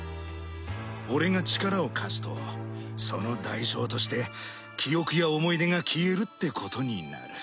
俺が力を貸すとその代償として記憶や思い出が消えるってことになる。